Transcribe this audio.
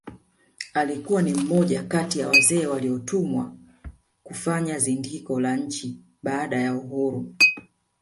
Alikuwa ni mmoja kati ya wazee waliotumwa kufanya zindiko la nchi baada ya uhuru